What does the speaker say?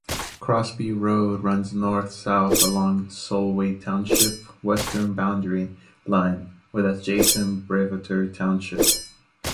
Crosby Road runs north-south along Solway Township's western boundary line with adjacent Brevator Township.